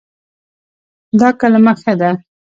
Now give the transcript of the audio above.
دا کلمه ښه ده